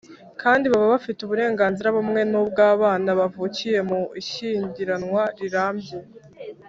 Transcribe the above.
kandi baba bafite uburenganzira bumwe n’ubw’abana bavukiye mu ishyingiranwa rirambye.